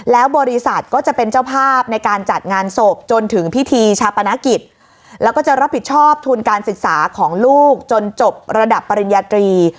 แล้วบริษัทก็จะเป็นเจ้าภาพในการจัดงานศพจนถึงพิธีชาปนกิจแล้วก็จะรับผิดชอบทุนการศึกษาของลูกจนจบระดับปริญญาตรี